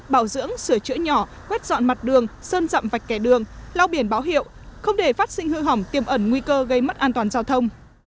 bảo dưỡng sửa chữa nhỏ quét dọn mặt đường sơn dặm vạch kẻ đường lau biển báo hiệu không để phát sinh hư hỏng tiêm ẩn nguy cơ gây mất an toàn giao thông